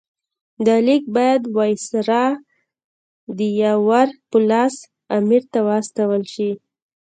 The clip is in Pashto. دا لیک باید د وایسرا د یاور په لاس امیر ته واستول شي.